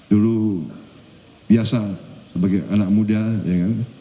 dulu biasa sebagai anak muda